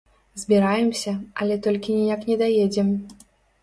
Збіраемся, але толькі ніяк не даедзем.